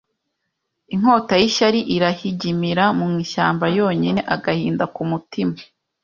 Inkota y'ishyari irahigimira mu ishyamba yonyine Agahinda ku mutima